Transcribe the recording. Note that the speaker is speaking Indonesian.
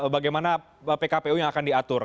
bagaimana pkpu yang akan diatur